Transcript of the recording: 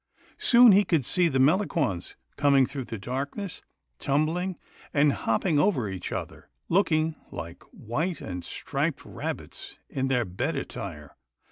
Soon he could see the Melangons coming through the darkness, tumbling and hopping over each other, looking like white and striped rabbits in their bed attire.